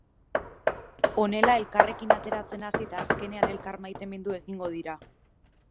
Honela elkarrekin ateratzen hasi eta azkenean elkar maitemindu egingo dira.